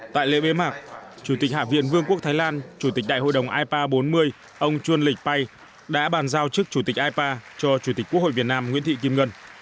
tại lễ bế mạc chủ tịch hạ viện vương quốc thái lan chủ tịch đại hội đồng ipa bốn mươi ông chuân lịch pai đã bàn giao chức chủ tịch ipa cho chủ tịch quốc hội việt nam nguyễn thị kim ngân